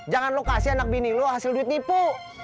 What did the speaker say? jangan lo kasih anak bini lo hasil duit nipu